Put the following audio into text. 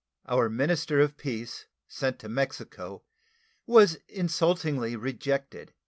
Our minister of peace sent to Mexico was insultingly rejected.